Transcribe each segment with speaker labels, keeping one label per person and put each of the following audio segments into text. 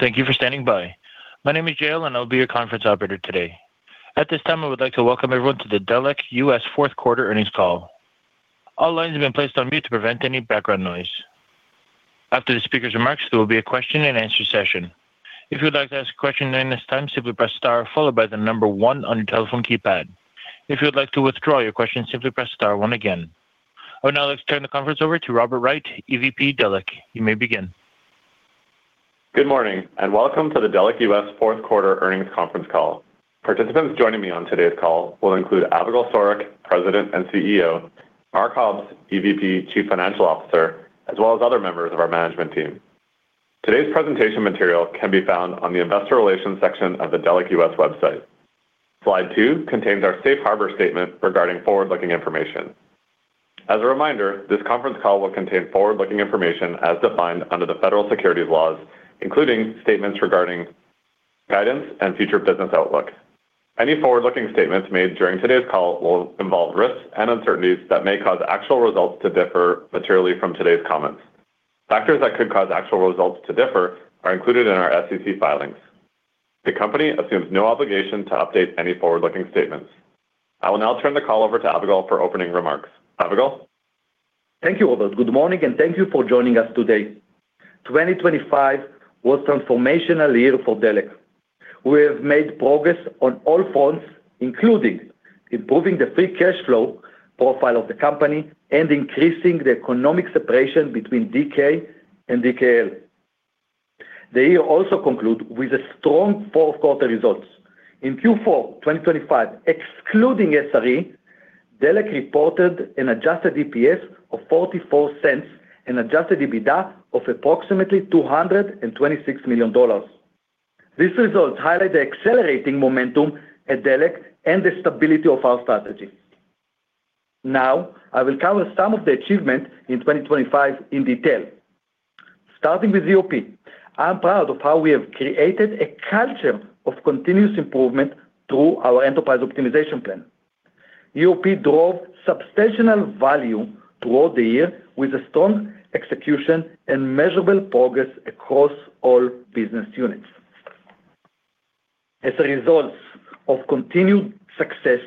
Speaker 1: Thank you for standing by. My name is Jill, and I'll be your conference operator today. At this time, I would like to welcome everyone to the Delek US fourth quarter earnings call. All lines have been placed on mute to prevent any background noise. After the speaker's remarks, there will be a question-and-answer session. If you would like to ask a question during this time, simply press star followed by the number one on your telephone keypad. If you would like to withdraw your question, simply press star one again. I would now like to turn the conference over to Robert Wright, EVP, Delek. You may begin.
Speaker 2: Good morning, welcome to the Delek US Q4 earnings conference call. Participants joining me on today's call will include Avigal Soreq, President and CEO, Mark Hobbs, EVP, Chief Financial Officer, as well as other members of our management team. Today's presentation material can be found on the Investor Relations section of the Delek US website. Slide two contains our safe harbor statement regarding forward-looking information. As a reminder, this conference call will contain forward-looking information as defined under the federal securities laws, including statements regarding guidance and future business outlook. Any forward-looking statements made during today's call will involve risks and uncertainties that may cause actual results to differ materially from today's comments. Factors that could cause actual results to differ are included in our SEC filings. The company assumes no obligation to update any forward-looking statements. I will now turn the call over to Avigal for opening remarks. Avigal?
Speaker 3: Thank you, Robert. Good morning, and thank you for joining us today. 2025 was a transformational year for Delek. We have made progress on all fronts, including improving the free cash flow profile of the company and increasing the economic separation between DK and DKL. The year also conclude with a strong Q4 results. In Q4 2025, excluding SRE, Delek reported an adjusted EPS of $0.44 and adjusted EBITDA of approximately $226 million. This result highlight the accelerating momentum at Delek and the stability of our strategy. Now, I will cover some of the achievements in 2025 in detail. Starting with EOP. I'm proud of how we have created a culture of continuous improvement through our Enterprise Optimization Plan. EOP drove substantial value throughout the year with a strong execution and measurable progress across all business units. As a result of continued success,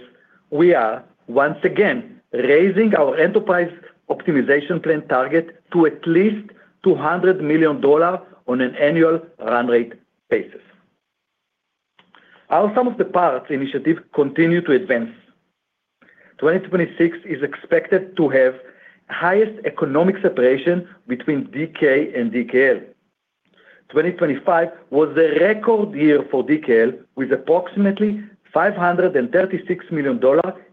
Speaker 3: we are once again raising our Enterprise Optimization Plan target to at least $200 million on an annual run rate basis. Our sum-of-the-parts initiative continue to advance. 2026 is expected to have highest economic separation between DK and DKL. 2025 was a record year for DKL, with approximately $536 million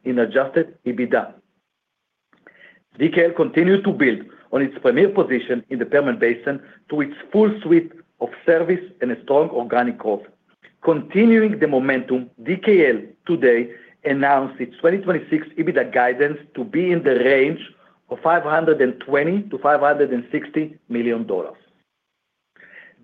Speaker 3: in adjusted EBITDA. DKL continues to build on its premier position in the Permian Basin through its full suite of service and a strong organic growth. Continuing the momentum, DKL today announced its 2026 EBITDA guidance to be in the range of $520 million-$560 million.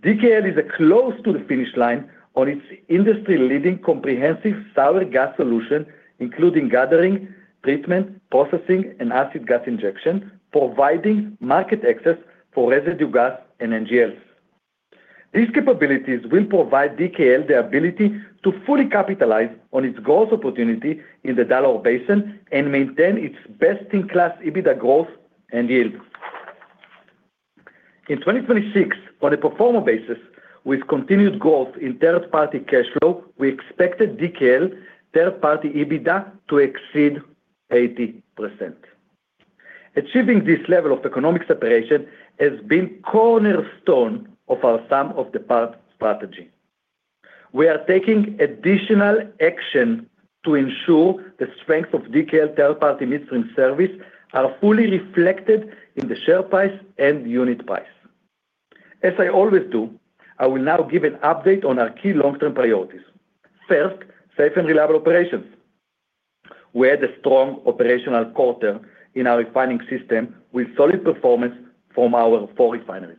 Speaker 3: DKL is a close to the finish line on its industry-leading comprehensive sour gas solution, including gathering, treatment, processing, and acid gas injection, providing market access for residue gas and NGLs. These capabilities will provide DKL the ability to fully capitalize on its growth opportunity in the Delaware Basin and maintain its best-in-class EBITDA growth and yield. In 2026, on a pro forma basis, with continued growth in third-party cash flow, we expected DKL third-party EBITDA to exceed 80%. Achieving this level of economic separation has been cornerstone of our sum-of-the-parts strategy. We are taking additional action to ensure the strength of DKL third-party midstream service are fully reflected in the share price and unit price. As I always do, I will now give an update on our key long-term priorities. First, safe and reliable operations. We had a strong operational quarter in our refining system, with solid performance from our four refineries.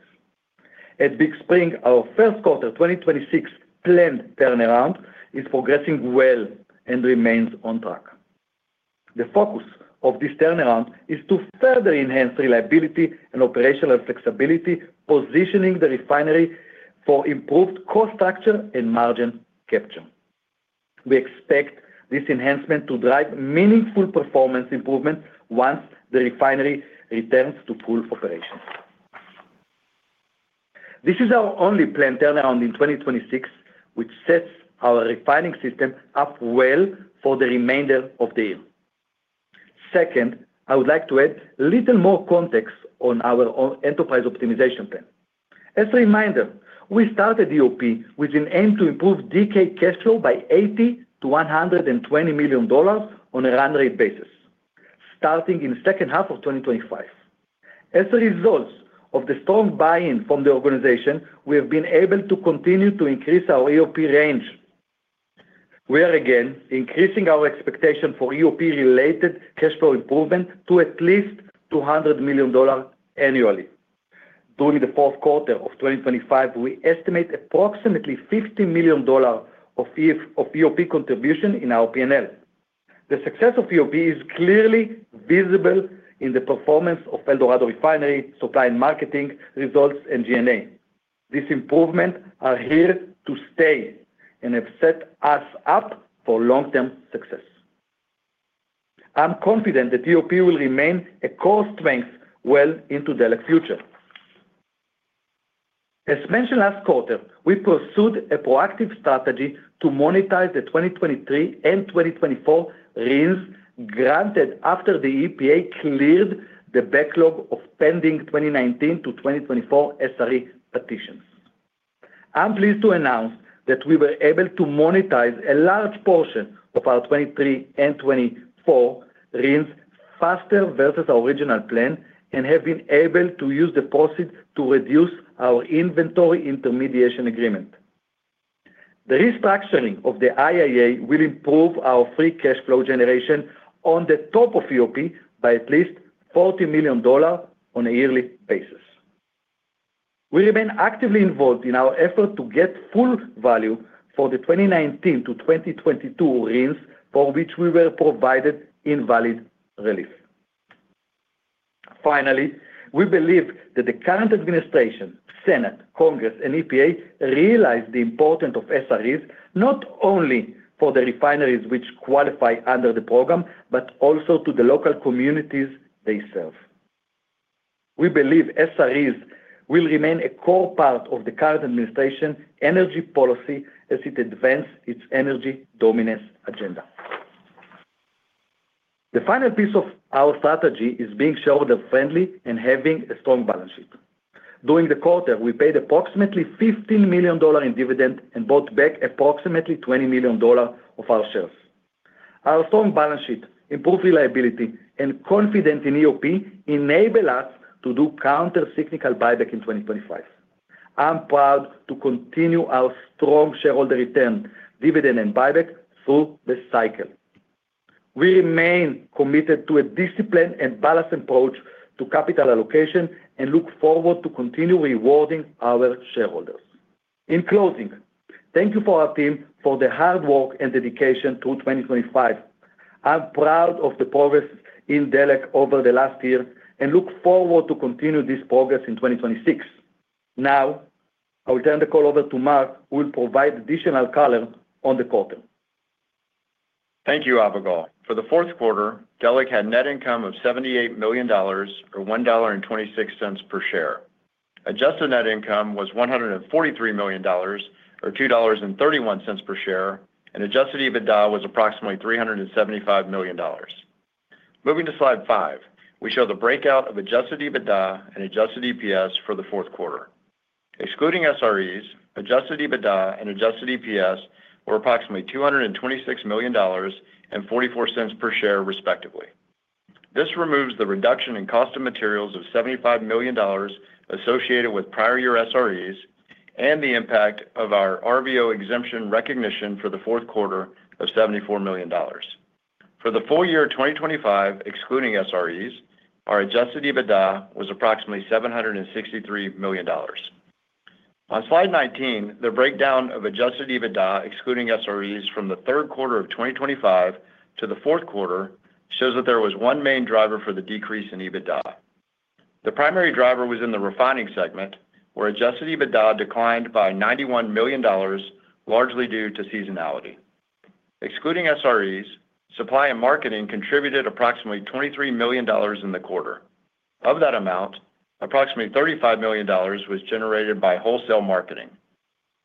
Speaker 3: At Big Spring, our Q1 2026 planned turnaround is progressing well and remains on track. The focus of this turnaround is to further enhance reliability and operational flexibility, positioning the refinery for improved cost structure and margin capture. We expect this enhancement to drive meaningful performance improvement once the refinery returns to full operation. This is our only planned turnaround in 2026, which sets our refining system up well for the remainder of the year. Second, I would like to add a little more context on our own Enterprise Optimization Plan. As a reminder, we started EOP with an aim to improve DK cash flow by $80 million-$120 million on a run rate basis, starting in the second half of 2025. As a result of the strong buy-in from the organization, we have been able to continue to increase our EOP range. We are again increasing our expectation for EOP-related cash flow improvement to at least $200 million annually. During the Q4 of 2025, we estimate approximately $50 million of EOP contribution in our PNL. The success of EOP is clearly visible in the performance of El Dorado Refinery, supply and marketing results, and G&A. These improvements are here to stay and have set us up for long-term success. I'm confident that EOP will remain a core strength well into the future. As mentioned last quarter, we pursued a proactive strategy to monetize the 2023 and 2024 RINs, granted after the EPA cleared the backlog of pending 2019 to 2024 SRE petitions. I'm pleased to announce that we were able to monetize a large portion of our 2023 and 2024 RINs faster versus our original plan, and have been able to use the proceeds to reduce our Inventory Intermediation Agreement. The restructuring of the IAA will improve our free cash flow generation on the top of EOP by at least $40 million on a yearly basis. We remain actively involved in our effort to get full value for the 2019 to 2022 RINs, for which we were provided invalid relief. Finally, we believe that the current administration, Senate, Congress, and EPA realize the importance of SREs, not only for the refineries which qualify under the program, but also to the local communities they serve. We believe SREs will remain a core part of the current administration's energy policy as it advances its energy dominance agenda. The final piece of our strategy is being shareholder-friendly and having a strong balance sheet. During the quarter, we paid approximately $15 million in dividends and bought back approximately $20 million of our shares. Our strong balance sheet, improved reliability, and confidence in EOP enable us to do countercyclical buyback in 2025. I'm proud to continue our strong shareholder return, dividend, and buyback through this cycle. We remain committed to a disciplined and balanced approach to capital allocation and look forward to continue rewarding our shareholders. In closing, thank you for our team for the hard work and dedication to 2025. I'm proud of the progress in Delek over the last year and look forward to continue this progress in 2026. I will turn the call over to Mark, who will provide additional color on the quarter.
Speaker 4: Thank you, Avigal. For the Q4, Delek had net income of $78 million or $1.26 per share. Adjusted net income was $143 million or $2.31 per share, and adjusted EBITDA was approximately $375 million. Moving to slide five, we show the breakout of adjusted EBITDA and adjusted EPS for the Q4. Excluding SREs, adjusted EBITDA and adjusted EPS were approximately $226 million and $0.44 per share, respectively. This removes the reduction in cost of materials of $75 million associated with prior year SREs and the impact of our RVO exemption recognition for the Q4 of $74 million. For the full year 2025, excluding SREs, our adjusted EBITDA was approximately $763 million. On slide 19, the breakdown of adjusted EBITDA, excluding SREs from the Q3 of 2025 to the Q4, shows that there was one main driver for the decrease in EBITDA. The primary driver was in the refining segment, where adjusted EBITDA declined by $91 million, largely due to seasonality. Excluding SREs, supply and marketing contributed approximately $23 million in the quarter. Of that amount, approximately $35 million was generated by wholesale marketing.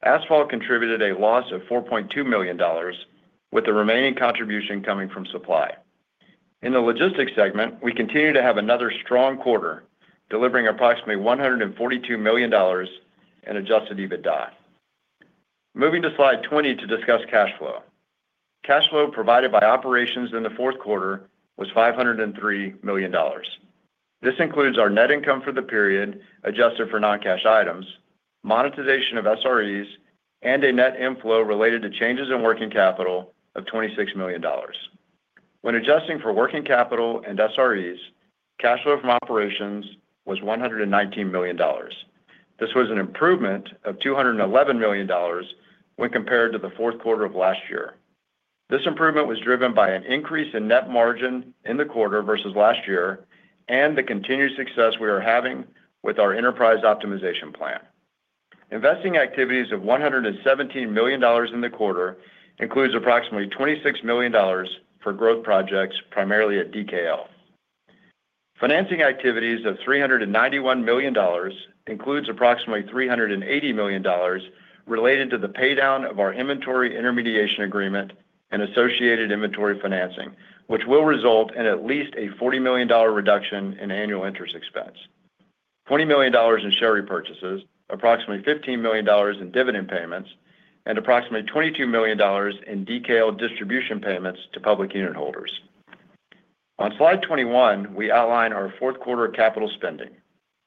Speaker 4: Asphalt contributed a loss of $4.2 million, with the remaining contribution coming from supply. In the logistics segment, we continue to have another strong quarter, delivering approximately $142 million in adjusted EBITDA. Moving to slide 20 to discuss cash flow. Cash flow provided by operations in the Q4 was $503 million. This includes our net income for the period, adjusted for non-cash items, monetization of SREs, and a net inflow related to changes in working capital of $26 million. When adjusting for working capital and SREs, cash flow from operations was $119 million. This was an improvement of $211 million when compared to the Q4 of last year. This improvement was driven by an increase in net margin in the quarter versus last year and the continued success we are having with our Enterprise Optimization Plan. Investing activities of $117 million in the quarter includes approximately $26 million for growth projects, primarily at DKL. Financing activities of $391 million includes approximately $380 million related to the paydown of our Inventory Intermediation Agreement and associated inventory financing, which will result in at least a $40 million reduction in annual interest expense, $20 million in share repurchases, approximately $15 million in dividend payments, and approximately $22 million in DKL distribution payments to public unitholders. On slide 21, we outline our Q4 capital spending,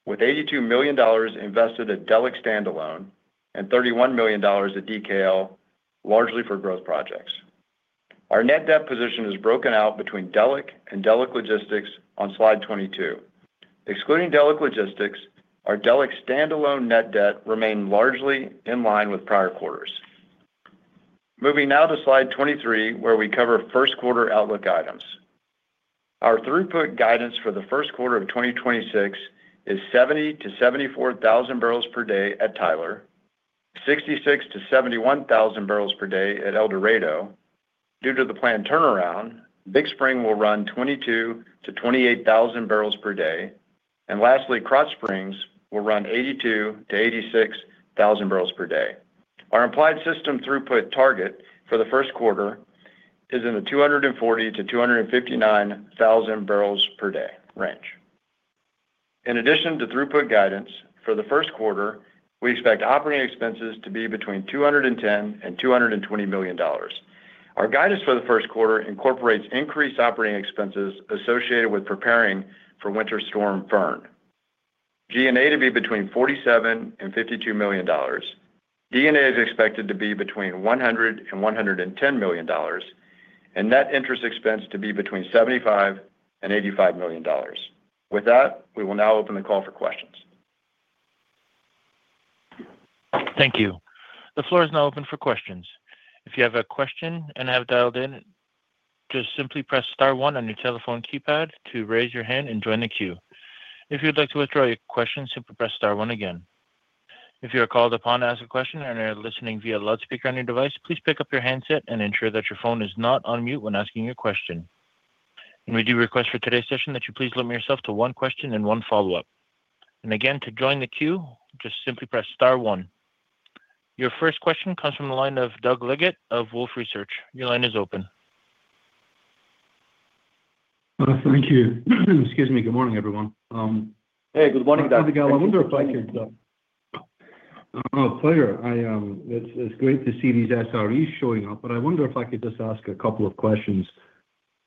Speaker 4: with $82 million invested at Delek standalone and $31 million at DKL, largely for growth projects. Our net debt position is broken out between Delek and Delek Logistics on slide 22. Excluding Delek Logistics, our Delek standalone net debt remained largely in line with prior quarters. Moving now to slide 23, where we cover Q1 outlook items. Our throughput guidance for the Q1 of 2026 is 70,000-74,000 barrels per day at Tyler, 66,000-71,000 barrels per day at El Dorado. Due to the planned turnaround, Big Spring will run 22,000-28,000 barrels per day, and lastly, Krotz Springs will run 82,000-86,000 barrels per day. Our implied system throughput target for the Q1 is in the 240,000-259,000 barrels per day range. In addition to throughput guidance, for the Q1, we expect operating expenses to be between $210 million and $220 million. Our guidance for the Q1 incorporates increased operating expenses associated with preparing for Winter Storm Fern. G&A to be between $47 million and $52 million. D&A is expected to be between $100 million and $110 million, and net interest expense to be between $75 million and $85 million. With that, we will now open the call for questions.
Speaker 1: Thank you. The floor is now open for questions. If you have a question and have dialed in, just simply press star one on your telephone keypad to raise your hand and join the queue. If you'd like to withdraw your question, simply press star one again. If you are called upon to ask a question and are listening via loudspeaker on your device, please pick up your handset and ensure that your phone is not on mute when asking your question. We do request for today's session that you please limit yourself to one question and one follow-up. Again, to join the queue, just simply press star one. Your first question comes from the line of Doug Leggate of Wolfe Research. Your line is open.
Speaker 5: Thank you. Excuse me. Good morning, everyone,
Speaker 3: Hey, good morning, Doug.
Speaker 4: I wonder if I could, Doug?
Speaker 5: Pleasure. It's great to see these SREs showing up. I wonder if I could just ask a couple of questions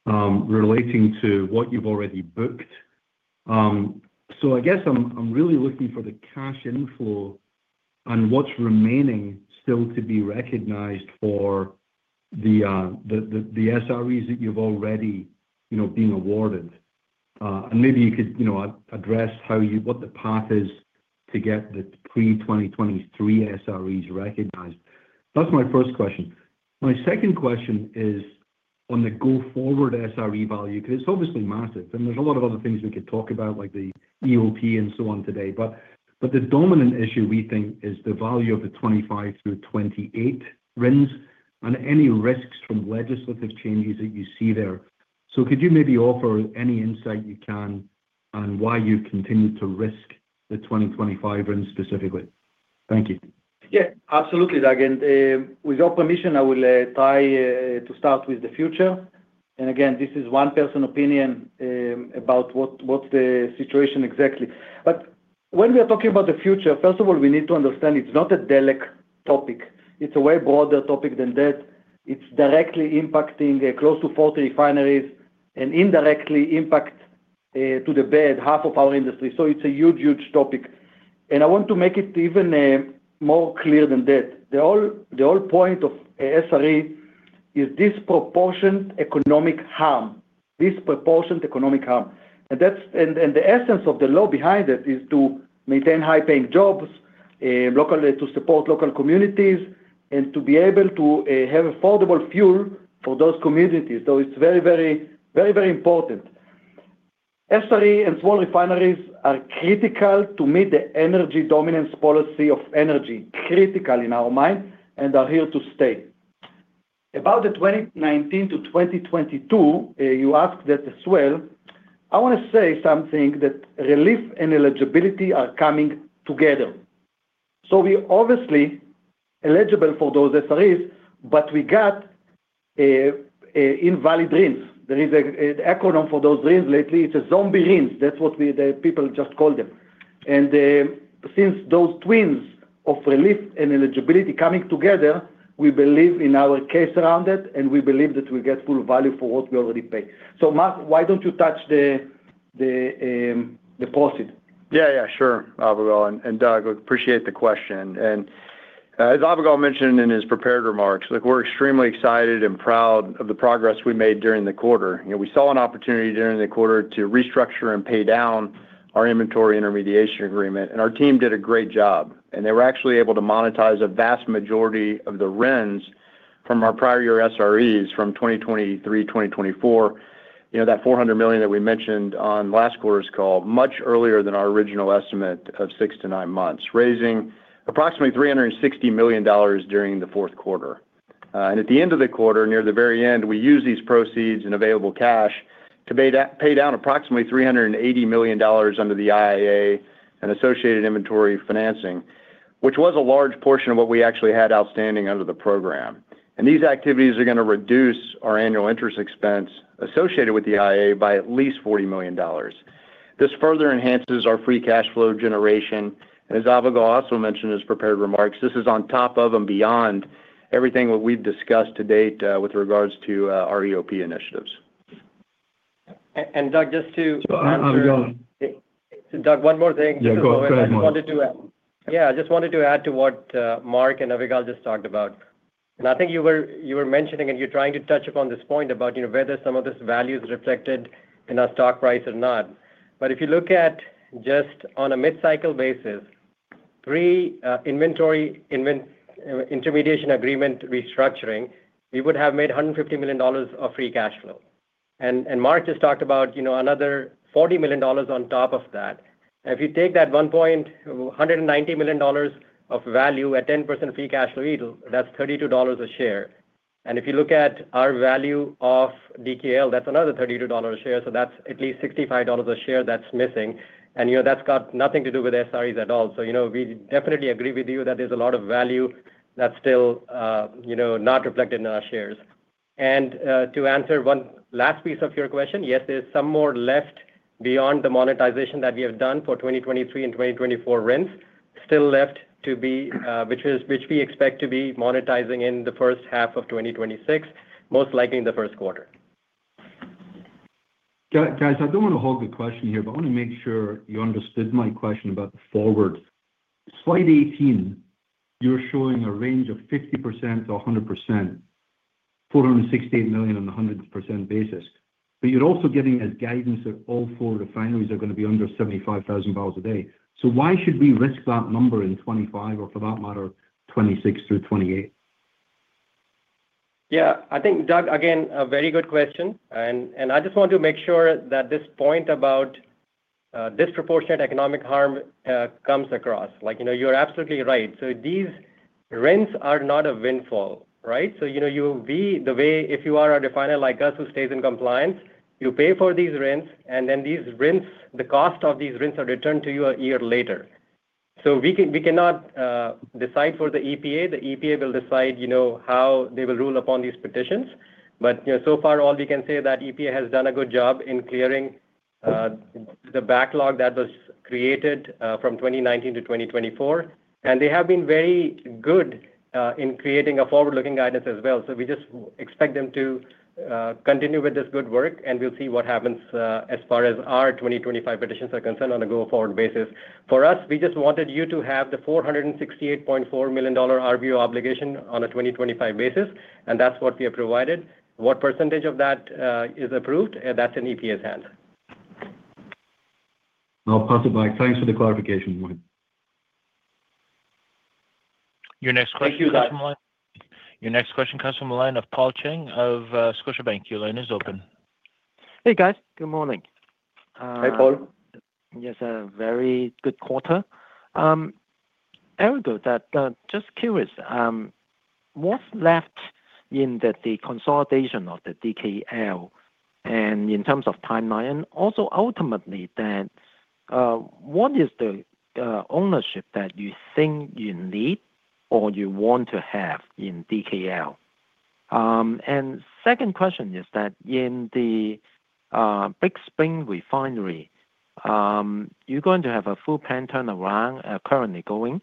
Speaker 5: relating to what you've already booked. I guess I'm really looking for the cash inflow on what's remaining still to be recognized for the SREs that you've already, you know, being awarded. Maybe you could, you know, address how what the path is to get the pre-2023 SREs recognized. That's my first question. My second question is on the go-forward SRE value. It's obviously massive, and there's a lot of other things we could talk about, like the EOP and so on today. The dominant issue, we think, is the value of the 2025 through 2028 RINs and any risks from legislative changes that you see there. Could you maybe offer any insight you can on why you continue to risk the 2025 RINs specifically? Thank you.
Speaker 3: Yeah, absolutely, Doug. With your permission, I will try to start with the future. Again, this is one person opinion about what the situation exactly. When we are talking about the future, first of all, we need to understand it's not a Delek topic. It's a way broader topic than that. It's directly impacting close to 40 refineries and indirectly impact to the back half of our industry. It's a huge topic. I want to make it even more clear than that. The whole point of SRE is disproportionate economic hardship. Disproportionate economic harm. The essence of the law behind it is to maintain high-paying jobs locally, to support local communities, and to be able to have affordable fuel for those communities. It's very important. SRE and small refineries are critical to meet the energy dominance policy of energy, critical in our mind, and are here to stay. About the 2019 to 2022, you asked that as well. I want to say something, that relief and eligibility are coming together. We're obviously eligible for those SREs, but we got a invalid RINs. There is a acronym for those RINs lately, it's a zombie RINs. That's what the people just call them. Since those twins of relief and eligibility coming together, we believe in our case around it, and we believe that we get full value for what we already paid. Mark, why don't you touch the positive?
Speaker 4: Yeah, yeah, sure, Avigal. Doug, appreciate the question. As Avigal mentioned in his prepared remarks, look, we're extremely excited and proud of the progress we made during the quarter. You know, we saw an opportunity during the quarter to restructure and pay down our Inventory Intermediation Agreement, and our team did a great job. They were actually able to monetize a vast majority of the RINs from our prior year SREs from 2023, 2024, you know, that $400 million that we mentioned on last quarter's call, much earlier than our original estimate of six to nine months, raising approximately $360 million during the Q4. At the end of the quarter, near the very end, we used these proceeds and available cash to pay down approximately $380 million under the IAA and associated inventory financing, which was a large portion of what we actually had outstanding under the program. These activities are gonna reduce our annual interest expense associated with the IAA by at least $40 million. This further enhances our free cash flow generation, and as Avigal also mentioned in his prepared remarks, this is on top of and beyond everything what we've discussed to date with regards to our EOP initiatives.
Speaker 6: Doug.
Speaker 5: Avigael.
Speaker 6: Doug, one more thing.
Speaker 5: Yeah, go ahead.
Speaker 6: I just wanted to add. I just wanted to add to what Mark and Avigal just talked about. I think you were mentioning, and you're trying to touch upon this point about, you know, whether some of this value is reflected in our stock price or not. If you look at just on a mid-cycle basis, pre Inventory Intermediation Agreement restructuring, we would have made $150 million of free cash flow. Mark just talked about, you know, another $40 million on top of that. If you take that $190 million of value at 10% free cash flow yield, that's $32 a share. If you look at our value of DKL, that's another $32 a share. That's at least $65 a share that's missing. You know, that's got nothing to do with SREs at all. you know, we definitely agree with you that there's a lot of value that's still, you know, not reflected in our shares. To answer one last piece of your question, yes, there's some more left beyond the monetization that we have done for 2023 and 2024 RINs still left to be, which we expect to be monetizing in the first half of 2026, most likely in the Q1.
Speaker 5: Guys, I don't want to hog the question here, but I want to make sure you understood my question about the forward. Slide 18, you're showing a range of 50%-100%, $468 million on a 100% basis, but you're also giving us guidance that all four refineries are going to be under 75,000 barrels a day. Why should we risk that number in 2025 or for that matter, 2026 through 2028?
Speaker 6: Yeah, I think, Doug, again, a very good question. I just want to make sure that this point about disproportionate economic harm comes across. You know, if you are a refiner like us who stays in compliance, you pay for these RINs, and then these RINs, the cost of these RINs are returned to you a year later. We can, we cannot decide for the EPA. The EPA will decide, you know, how they will rule upon these petitions. You know, so far, all we can say is that EPA has done a good job in clearing the backlog that was created from 2019 to 2024, and they have been very good in creating a forward-looking guidance as well. We just expect them to continue with this good work, and we'll see what happens as far as our 2025 petitions are concerned on a go-forward basis. For us, we just wanted you to have the $468.4 million RVO obligation on a 2025 basis, and that's what we have provided. What % of that is approved, that's in EPA's hands.
Speaker 5: I'll pass it back. Thanks for the clarification, Mohit.
Speaker 1: Your next question.
Speaker 6: Thank you, Doug.
Speaker 1: Your next question comes from the line of Paul Cheng of Scotiabank. Your line is open.
Speaker 7: Hey, guys. Good morning.
Speaker 3: Hey, Paul.
Speaker 7: Yes, a very good quarter. Avigal, that, just curious, what's left in the consolidation of the DKL and in terms of timeline? Also ultimately, that, what is the, ownership that you think you need or you want to have in DKL? Second question is that in the, Big Spring Refinery, you're going to have a full plant turnaround, currently going.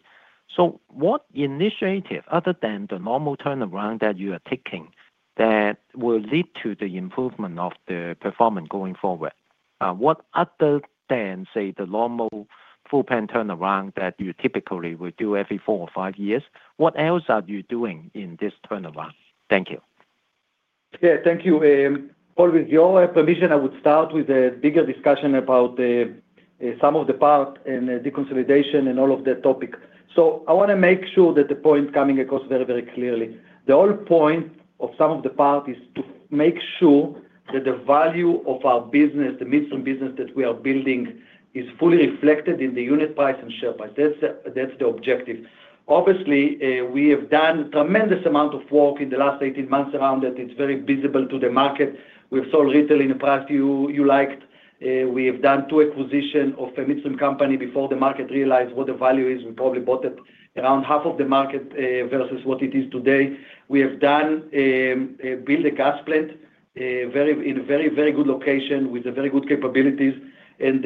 Speaker 7: What initiative other than the normal turnaround that you are taking that will lead to the improvement of the performance going forward? What other than, say, the normal full plant turnaround that you typically would do every four or five years, what else are you doing in this turnaround? Thank you.
Speaker 3: Yeah, thank you. Paul, with your permission, I would start with a bigger discussion about the sum-of-the-parts in the deconsolidation and all of the topic. I want to make sure that the point coming across very, very clearly. The whole point of sum-of-the-parts is to make sure that the value of our business, the midstream business that we are building, is fully reflected in the unit price and share price. That's the objective. Obviously, we have done tremendous amount of work in the last 18 months around it. It's very visible to the market. We've sold retail in the past you liked. We have done two acquisition of a midstream company before the market realized what the value is. We probably bought it around half of the market versus what it is today. We have done build a gas plant in a very, very good location with a very good capabilities, and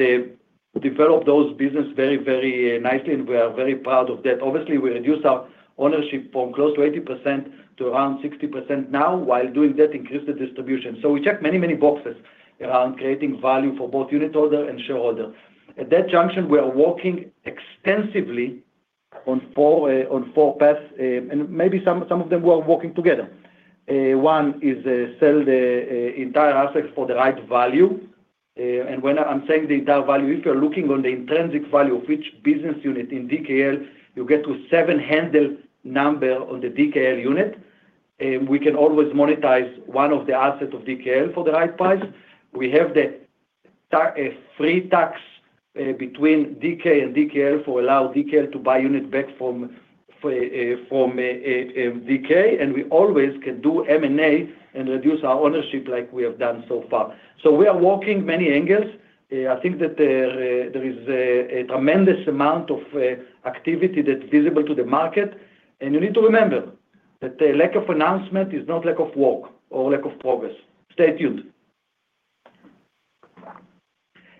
Speaker 3: developed those business very, very nicely, and we are very proud of that. Obviously, we reduced our ownership from close to 80% to around 60% now, while doing that, increased the distribution. We checked many, many boxes around creating value for both unit holder and shareholder. At that junction, we are working extensively on four paths, and maybe some of them were working together. One is sell the entire assets for the right value. When I'm saying the entire value, if you're looking on the intrinsic value of each business unit in DKL, you get to seven handle number on the DKL unit. We can always monetize one of the assets of DKL for the right price. We have the free tax between DK and DKL to allow DKL to buy units back from DK, and we always can do M&A and reduce our ownership like we have done so far. We are working many angles. I think that there is a tremendous amount of activity that's visible to the market, and you need to remember that the lack of announcement is not lack of work or lack of progress. Stay tuned.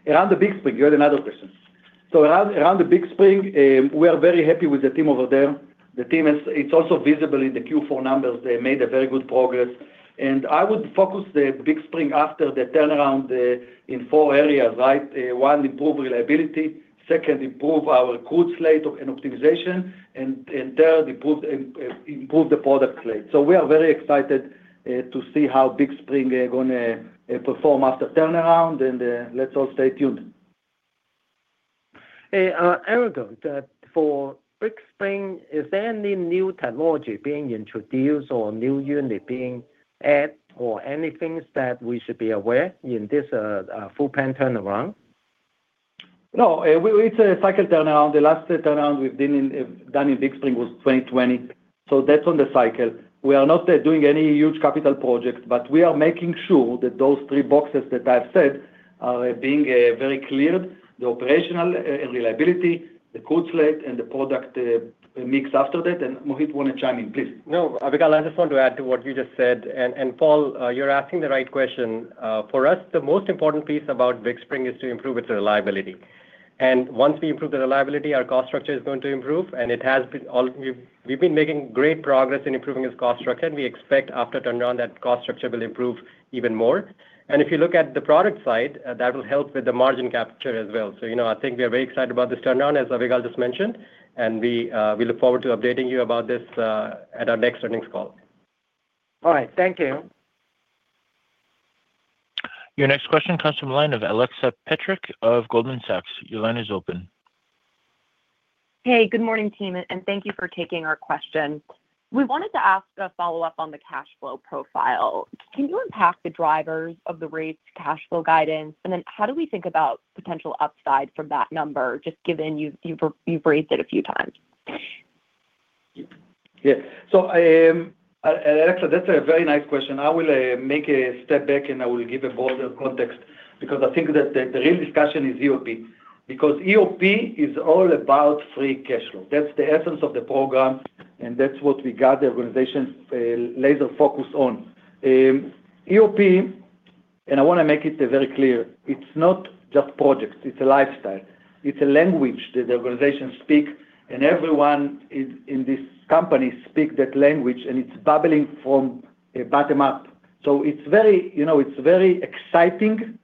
Speaker 3: Around the Big Spring, you had another question. Around the Big Spring, we are very happy with the team over there. It's also visible in the Q4 numbers. They made a very good progress, and I would focus the Big Spring after the turnaround in four areas, right? One, improve reliability. Two, improve our crude slate and optimization. Three, improve the product slate. We are very excited to see how Big Spring are gonna perform after turnaround, and let's all stay tuned.
Speaker 7: Hey, Avigal Soreq, that for Big Spring, is there any new technology being introduced or new unit being added, or any things that we should be aware in this full plant turnaround?
Speaker 3: No, it's a cycle turnaround. The last turnaround we've been in, done in Big Spring was 2020, so that's on the cycle. We are not doing any huge capital projects, but we are making sure that those three boxes that I've said are being very clear, the operational reliability, the crude slate, and the product mix after that. Mohit, want to chime in, please.
Speaker 6: No, Avigal, I just want to add to what you just said. Paul, you're asking the right question. For us, the most important piece about Big Spring is to improve its reliability. Once we improve the reliability, our cost structure is going to improve, and it has been we've been making great progress in improving its cost structure, and we expect after turnaround, that cost structure will improve even more. If you look at the product side, that will help with the margin capture as well. You know, I think we are very excited about this turnaround, as Avigal just mentioned, and we look forward to updating you about this at our next earnings call.
Speaker 7: All right. Thank you.
Speaker 1: Your next question comes from the line of Neil Mehta of Goldman Sachs. Your line is open.
Speaker 8: Hey, good morning, team, and thank you for taking our question. We wanted to ask a follow-up on the cash flow profile. Can you unpack the drivers of the raised cash flow guidance? How do we think about potential upside from that number, just given you've raised it a few times?
Speaker 3: Yeah. Neil Mehta, that's a very nice question. I will make a step back, and I will give a broader context, because I think that the real discussion is EOP. EOP is all about free cash flow. That's the essence of the program, and that's what we got the organization laser focused on. EOP, and I wanna make it very clear, it's not just projects, it's a lifestyle. It's a language that the organization speak, and everyone in this company speak that language, and it's bubbling from a bottom up. It's very, you know, it's very exciting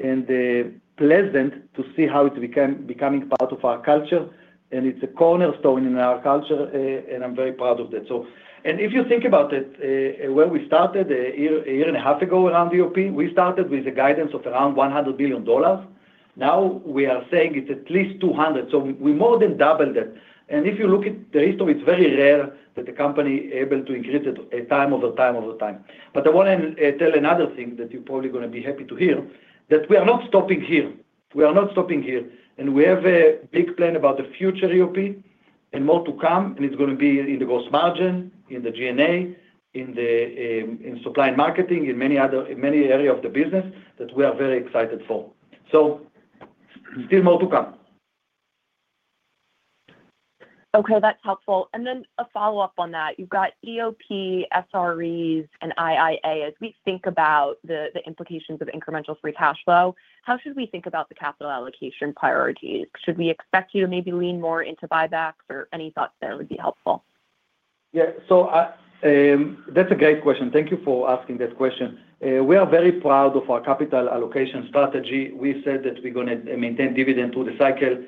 Speaker 3: and pleasant to see how it's becoming part of our culture, and it's a cornerstone in our culture, and I'm very proud of that. If you think about it, where we started a year, a year and a half ago around EOP, we started with a guidance of around $100 billion. Now, we are saying it's at least $200 billion, so we more than doubled it. If you look at the history, it's very rare that the company able to increase it time over time over time. I wanna tell another thing that you're probably gonna be happy to hear, that we are not stopping here. We are not stopping here, and we have a big plan about the future EOP and more to come, and it's gonna be in the gross margin, in the G&A, in the in supply and marketing, in many other, in many area of the business that we are very excited for. Still more to come.
Speaker 8: Okay, that's helpful. Then a follow-up on that. You've got EOP, SREs, and IIA. As we think about the implications of incremental free cash flow, how should we think about the capital allocation priorities? Should we expect you to maybe lean more into buybacks or any thoughts there would be helpful?
Speaker 3: That's a great question. Thank you for asking that question. We are very proud of our capital allocation strategy. We said that we're gonna maintain dividend through the cycle.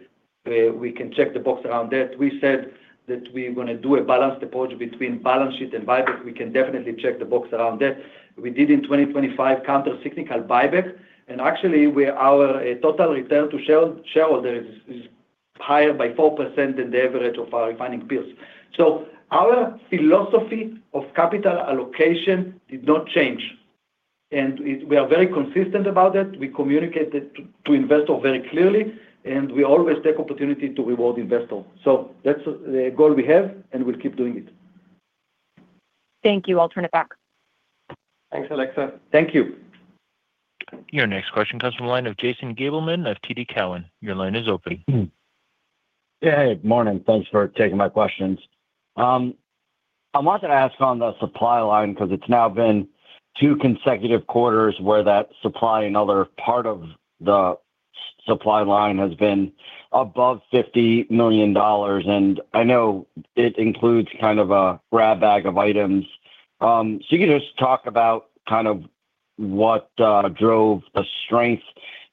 Speaker 3: We can check the box around that. We said that we're gonna do a balanced approach between balance sheet and buyback. We can definitely check the box around that. We did in 2025, countercyclical buyback, and actually, our total return to shareholders is higher by 4% than the average of our refining peers. Our philosophy of capital allocation did not change, and we are very consistent about that. We communicate it to investor very clearly, and we always take opportunity to reward investor. That's the goal we have, and we'll keep doing it.
Speaker 8: Thank you. I'll turn it back.
Speaker 3: Thanks, Neil Mehta. Thank you.
Speaker 1: Your next question comes from the line of Jason Gabelman of TD Cowen. Your line is open.
Speaker 9: Hey, morning. Thanks for taking my questions. I wanted to ask on the supply line, because it's now been two consecutive quarters where that supply and other part of the supply line has been above $50 million, and I know it includes kind of a grab bag of items. You can just talk about kind of what drove the strength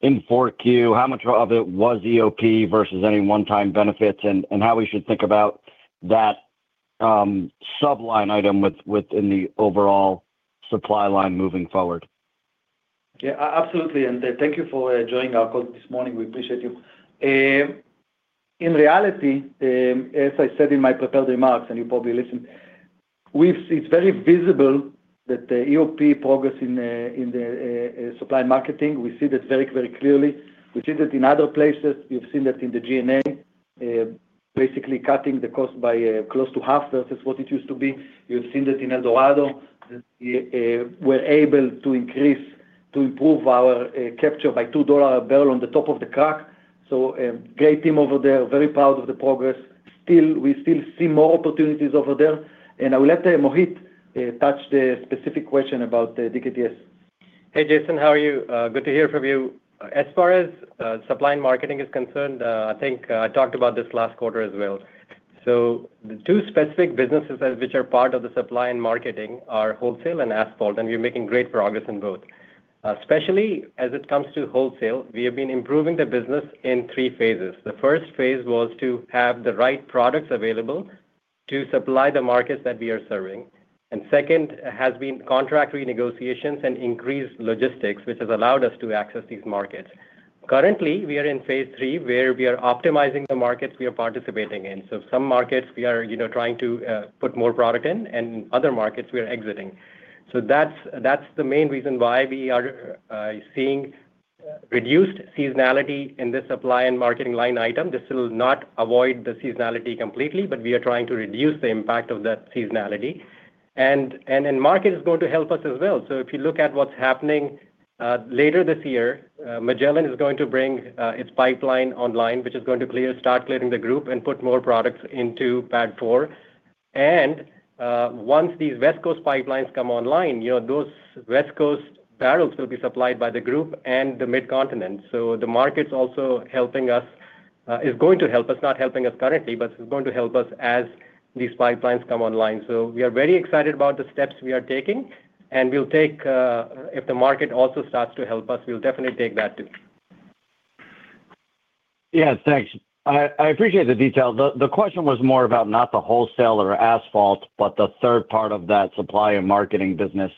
Speaker 9: in Q4, how much of it was EOP versus any one-time benefits, and how we should think about that sub-line item within the overall supply line moving forward?
Speaker 3: Absolutely, thank you for joining our call this morning. We appreciate you. In reality, as I said in my prepared remarks, and you probably listened, it's very visible that the EOP progress in the supply and marketing, we see this very, very clearly. We see that in other places. We've seen that in the G&A, basically cutting the cost by close to half versus what it used to be. You've seen that in El Dorado, we're able to increase, to improve our capture by $2 a barrel on the top of the crack. A great team over there, very proud of the progress. Still, we still see more opportunities over there, I will let Mohit touch the specific question about the DKTS.
Speaker 6: Hey, Jason, how are you? Good to hear from you. Supply and marketing is concerned, I think I talked about this last quarter as well. The two specific businesses which are part of the supply and marketing are wholesale and asphalt, and we're making great progress in both. Especially as it comes to wholesale, we have been improving the business in three phases. The first phase was to have the right products available to supply the markets that we are serving. Second has been contract renegotiations and increased logistics, which has allowed us to access these markets. Currently, we are in phase three, where we are optimizing the markets we are participating in. Some markets we are, you know, trying to put more product in, and other markets we are exiting. That's the main reason why we are seeing reduced seasonality in the supply and marketing line item. This will not avoid the seasonality completely, but we are trying to reduce the impact of that seasonality. Market is going to help us as well. If you look at what's happening later this year, Magellan is going to bring its pipeline online, which is going to start clearing the group and put more products into PADD4. Once these West Coast pipelines come online, you know, those West Coast barrels will be supplied by the group and the mid-continent. The market's also helping us, is going to help us, not helping us currently, but is going to help us as these pipelines come online. We are very excited about the steps we are taking, and we'll take, if the market also starts to help us, we'll definitely take that too.
Speaker 9: Yes, thanks. I appreciate the detail. The question was more about not the wholesale or asphalt, but the third part of that supply and marketing business,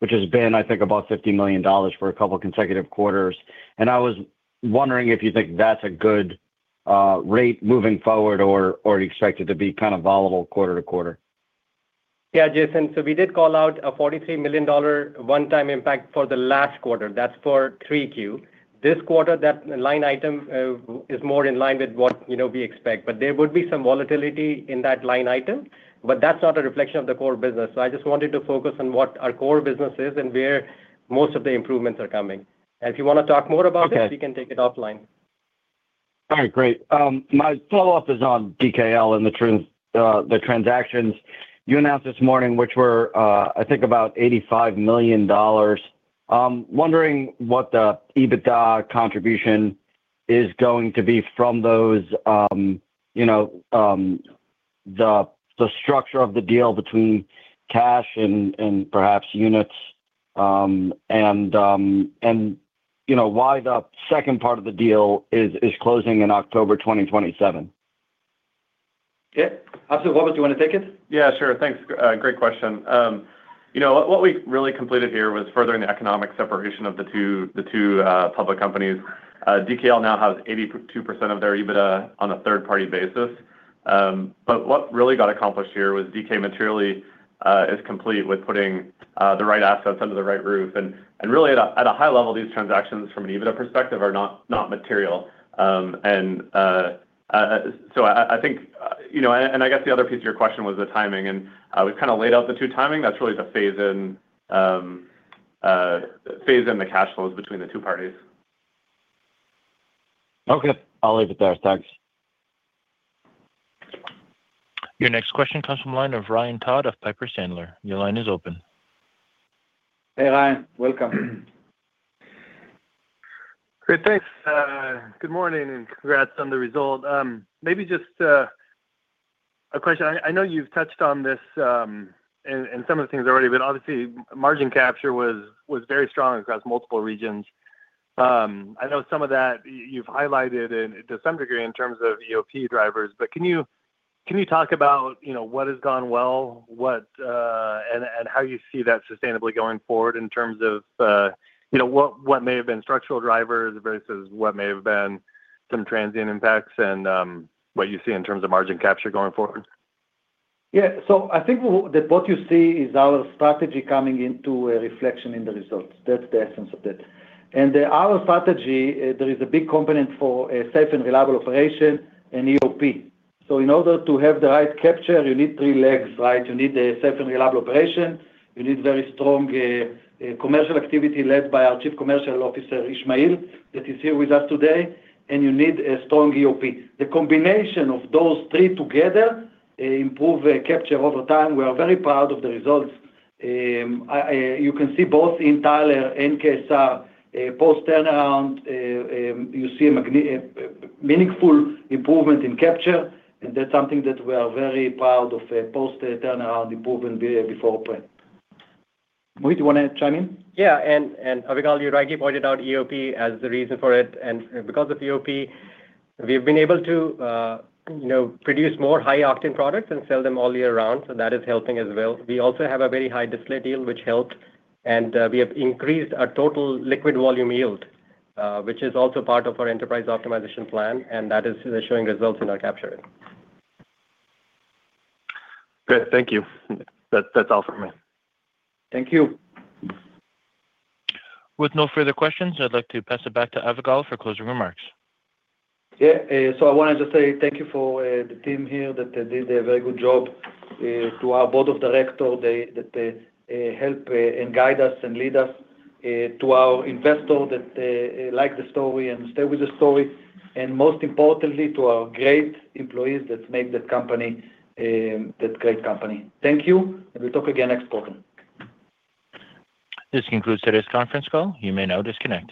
Speaker 9: which has been, I think, about $50 million for two consecutive quarters. I was wondering if you think that's a good rate moving forward or expected to be kind of volatile quarter-to-quarter?
Speaker 6: Yeah, Jason, we did call out a $43 million one-time impact for the last quarter. That's for Q3. This quarter, that line item is more in line with what, you know, we expect, but there would be some volatility in that line item, but that's not a reflection of the core business. I just wanted to focus on what our core business is and where most of the improvements are coming. If you want to talk more about this.
Speaker 9: Okay.
Speaker 6: We can take it offline.
Speaker 9: All right, great. My follow-up is on DKL and the transactions. You announced this morning, which were, I think, about $85 million. I'm wondering what the EBITDA contribution is going to be from those, you know, the structure of the deal between cash and perhaps units, and, you know, why the second part of the deal is closing in October 2027?
Speaker 3: Yeah. Robert, you want to take it?
Speaker 2: Yeah, sure. Thanks. Great question. You know, what we really completed here was furthering the economic separation of the two public companies. DKL now has 82% of their EBITDA on a third-party basis. What really got accomplished here was DK materially is complete with putting the right assets under the right roof. Really, at a high level, these transactions, from an EBITDA perspective, are not material. I think, you know, and I guess the other piece of your question was the timing, and we've kind of laid out the two timing. That's really to phase in the cash flows between the two parties.
Speaker 9: Okay. I'll leave it there. Thanks.
Speaker 1: Your next question comes from the line of Ryan Todd of Piper Sandler. Your line is open.
Speaker 3: Hey, Ryan, welcome.
Speaker 10: Great, thanks. Good morning. Congrats on the result. Maybe just a question. I know you've touched on this, and some of the things already, but obviously, margin capture was very strong across multiple regions. I know some of that you've highlighted and to some degree in terms of EOP drivers, but can you talk about, you know, what has gone well, what and how you see that sustainably going forward in terms of, you know, what may have been structural drivers versus what may have been some transient impacts and what you see in terms of margin capture going forward?
Speaker 3: I think that what you see is our strategy coming into a reflection in the results. That's the essence of that. Our strategy, there is a big component for a safe and reliable operation and EOP. In order to have the right capture, you need three legs, right? You need a safe and reliable operation, you need very strong commercial activity led by our Chief Commercial Officer, Ismail, that is here with us today, and you need a strong EOP. The combination of those three together improve the capture over time. We are very proud of the results. I, you can see both in Tyler and KSR, post-turnaround, you see a meaningful improvement in capture, and that's something that we are very proud of, post-turnaround improvement before open. Mohit, you want to chime in?
Speaker 6: Avigal, you rightly pointed out EOP as the reason for it, because of EOP, we've been able to, you know, produce more high-octane products and sell them all year round, that is helping as well. We also have a very high distillate yield, which helped, we have increased our total liquid volume yield, which is also part of our Enterprise Optimization Plan, that is showing results in our capture.
Speaker 10: Great. Thank you. That's all for me.
Speaker 3: Thank you.
Speaker 1: With no further questions, I'd like to pass it back to Avigal for closing remarks.
Speaker 3: I wanted to say thank you for the team here that did a very good job, to our board of directors, that help and guide us and lead us, to our investors that like the story and stay with the story, and most importantly, to our great employees that make the company, that great company. Thank you. We'll talk again next quarter.
Speaker 1: This concludes today's conference call. You may now disconnect.